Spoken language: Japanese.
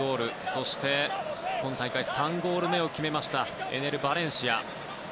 そして、今大会３ゴール目を決めましたエネル・バレンシア。